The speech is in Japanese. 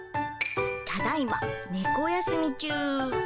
ただいま、猫休み中。